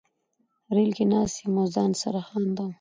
ریل کې ناست یم او ځان سره خاندم